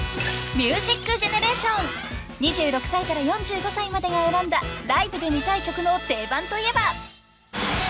［『ミュージックジェネレーション』２６歳から４５歳までが選んだライブで見たい曲の定番といえば］